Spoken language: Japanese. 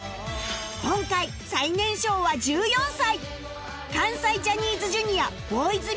今回最年少は１４歳